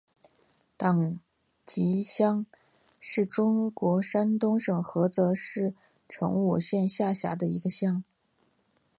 党集乡是中国山东省菏泽市成武县下辖的一个乡。